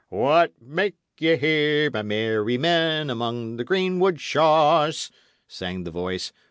"What make ye here, my merry men, among the greenwood shaws?" sang the voice.